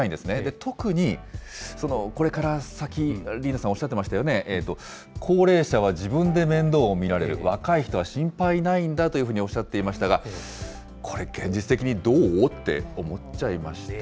特に、これから先、リンダさん、おっしゃってましたよね、高齢者は自分で面倒を見られる、若い人は心配ないんだというふうにおっしゃっていましたが、これ、現実的にどーう？って思っちゃいました。